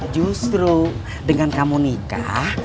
justru dengan kamu nikah